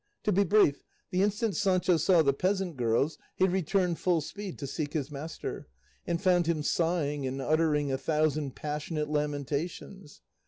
To be brief, the instant Sancho saw the peasant girls, he returned full speed to seek his master, and found him sighing and uttering a thousand passionate lamentations.